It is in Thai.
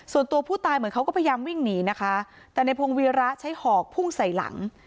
ส่วนตัวผู้ตายเหมือนเขาก็พยายามวิ่งหนีนะคะแต่ในพงวีระใช้หอกพุ่งใส่หลัง